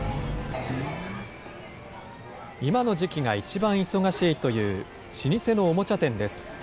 今の時期が一番忙しいという老舗のおもちゃ店です。